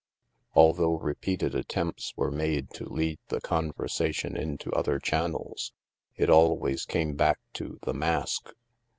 Although repeated attempts were made to lead the conversation into other channels, it always came back to " The Mask."